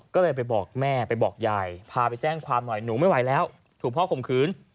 ก็เลยไปบอกแม่ไปบอกยายพาไปแจ้งความหน่อยหนูไม่ไหวแล้วถูกพ่อข่มขืน